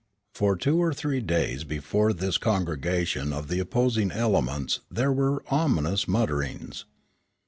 For two or three days before this congregation of the opposing elements there were ominous mutterings.